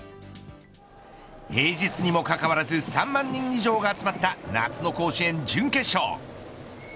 平日にもかかわらず３万人以上が集まった夏の甲子園準決勝。